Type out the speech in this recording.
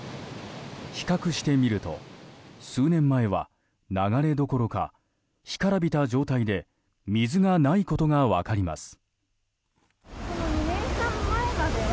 比較してみると数年前は流れどころか干からびた状態で水がないことが分かります。